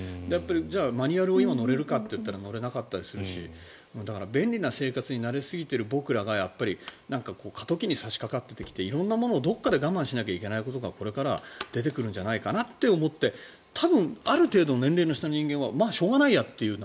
じゃあマニュアルを今乗れるかといったら乗れないかもしれないしだから、便利な生活に慣れすぎている僕らが過渡期に差しかかっていて色んなものをどこかで我慢しなければいけないことがこれから出てくるんじゃないかと思って多分、ある程度の年齢の人間はしょうがないやと。